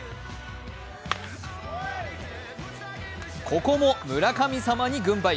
ここも村神様に軍配。